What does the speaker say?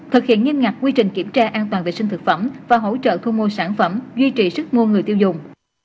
thực hiện nghiêm ngặt quy trình kiểm tra an toàn vệ sinh thực phẩm và hỗ trợ thu mua sản phẩm duy trì sức mua người tiêu dùng